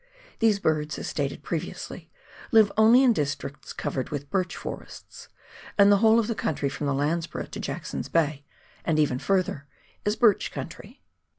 These birds, as stated previously, live only in districts covered with birch forests, and the whole of the country from the Landsborough to Jackson's Bay, and even further, is birch country.